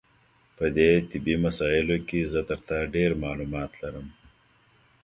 په دې طبي مسایلو کې زه تر تا ډېر معلومات لرم.